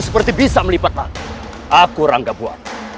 seperti bisa melipat aku rangga buan